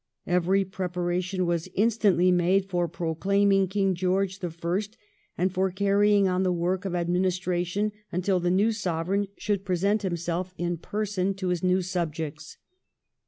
Every preparation was instantly made for proclaiming King George the First and for carrying on the work of administration until the new Sovereign should present himself in person 384 THE REIGN OF QUEEN ANNE. ch. xxxix. to his new subjects.